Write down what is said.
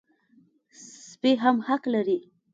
سپي هم حق لري.